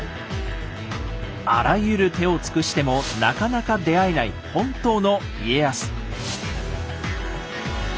あらゆる手を尽くしてもなかなか出会えない「本当の家康」。